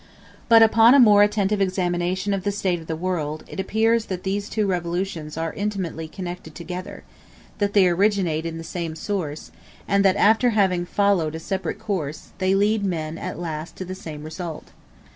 But upon a more attentive examination of the state of the world, it appears that these two revolutions are intimately connected together, that they originate in the same source, and that after having followed a separate course, they lead men at last to the same result.